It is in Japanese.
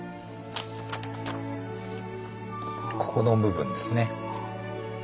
ここの部分ですね。